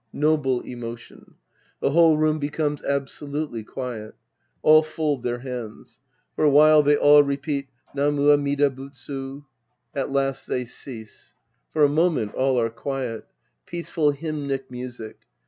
(J<foble emotion. The whole room becomes absolutely quiet. All fold their hands. For a while, they all repeat " Namu Amida Butsu." At last they cease. For a moment all are quiet. Peaceful hymnic music.